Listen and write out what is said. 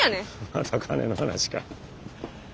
また金の話か。